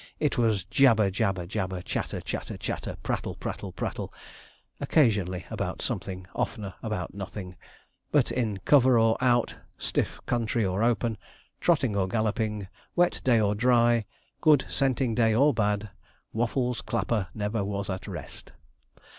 It was jabber, jabber, jabber; chatter, chatter, chatter; prattle, prattle, prattle; occasionally about something, oftener about nothing, but in cover or out, stiff country or open, trotting or galloping, wet day or dry, good scenting day or bad, Waffles' clapper never was at rest.